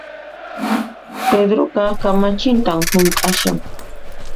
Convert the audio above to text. Pedroqa kamachintan hunt'ashan